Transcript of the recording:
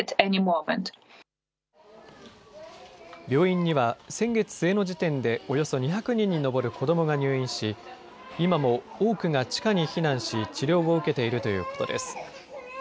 病院には先月末の時点でおよそ２００人に上る子どもが入院し、今も多くが地下に避難し治療を受けているということです。